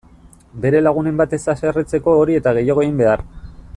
Bere lagunen bat ez haserretzeko hori eta gehiago egin behar!